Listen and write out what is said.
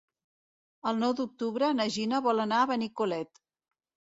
El nou d'octubre na Gina vol anar a Benicolet.